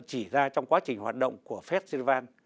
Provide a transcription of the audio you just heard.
chỉ ra trong quá trình hoạt động của các tổ chức